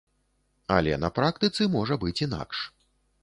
Але на практыцы можа быць інакш.